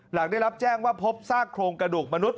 หลังได้รับแจ้งว่าพบซากโครงกระดูกมนุษย